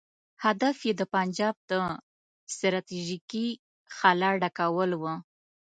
هدف یې د پنجاب د ستراتیژیکې خلا ډکول وو.